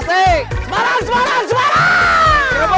semarang semarang semarang